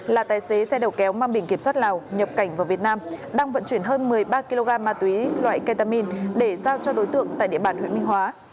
đẩu kéo mang bình kiểm soát lào nhập cảnh vào việt nam đang vận chuyển hơn một mươi ba kg ma túy loại ketamine để giao cho đối tượng tại địa bàn huyện minh hóa